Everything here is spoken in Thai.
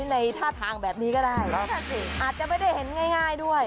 ในท่าทางแบบนี้ก็ได้อาจจะไม่ได้เห็นง่ายด้วย